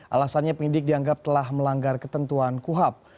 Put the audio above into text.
alasannya penyidik dianggap telah melanggar ketentuan kuhap